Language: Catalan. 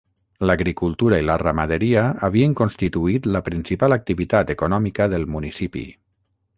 L'agricultura i la ramaderia havien constituït la principal activitat econòmica del municipi.